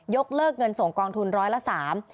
ยกเลิกเงินส่งกองทุน๑๐๓ล้านบาท